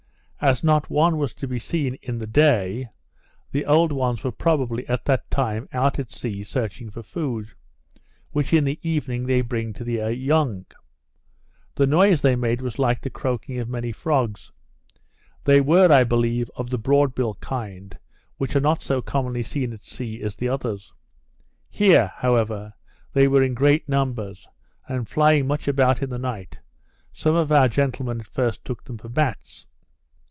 As not one was to be seen in the day, the old ones were probably, at that time, out at sea searching for food, which in the evening they bring to their young. The noise they made was like the croaking of many frogs. They were, I believe, of the broad bill kind, which, are not so commonly seen at sea as the others. Here, however, they are in great numbers, and flying much about in the night, some of our gentlemen at first took them for bats.